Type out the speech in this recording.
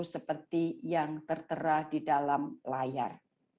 seperti yang tertera di dalam layar